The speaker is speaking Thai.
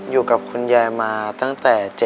อยู่กับคุณยายมาตั้งแต่๗๐